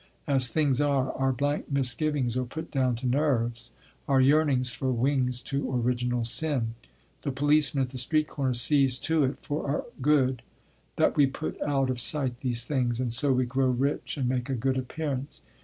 As things are, our blank misgivings are put down to nerves, our yearning for wings to original sin. The policeman at the street corner sees to it, for our good, that we put out of sight these things, and so we grow rich and make a good appearance.